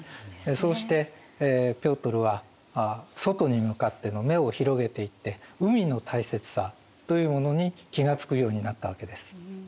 そうしてピョートルは外に向かっての目を広げていって海の大切さというものに気がつくようになったわけです。